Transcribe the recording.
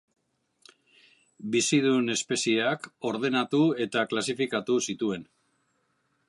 Bizidun espezieak ordenatu eta klasifikatu zituen.